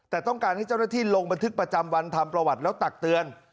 แต่ต้องการให้เจ้าหน้าที่ลงบันทึกประจำวันทำประวัติแล้วตักเตือน